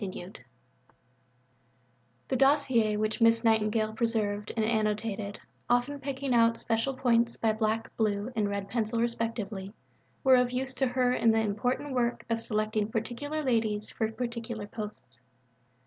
III The dossiers which Miss Nightingale preserved and, annotated (often picking out special points by black, blue, and red pencil respectively) were of use to her in the important work of selecting particular ladies for particular posts.